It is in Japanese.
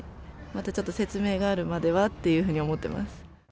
またちょっと説明があるまではって思ってます。